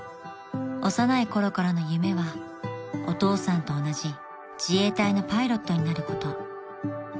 ［幼いころからの夢はお父さんと同じ自衛隊のパイロットになること］